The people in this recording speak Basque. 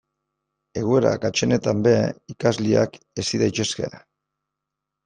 Egoera gaitzenetan ere ikasleak hezi daitezke.